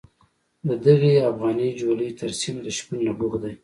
د دغې افغاني جولې ترسیم د شپون نبوغ دی.